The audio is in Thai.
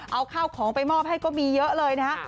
เอาข้าวของไปมอบให้ก็มีเยอะเลยนะฮะ